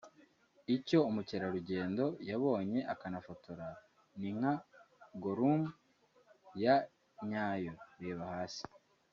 Icyo umukerarugendo yabonye akanafotora ni nka Gollum ya nyayo (Reba hasi)